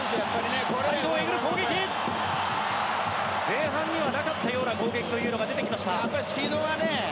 前半にはなかったような攻撃が出てきました。